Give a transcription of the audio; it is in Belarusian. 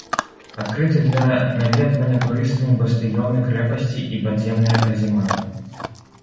Адкрыты для наведвання турыстамі бастыёны крэпасці і падземныя казематы.